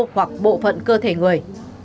hoặc bộ phận cơ thể người